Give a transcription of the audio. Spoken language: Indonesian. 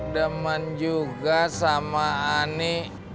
demen juga sama ani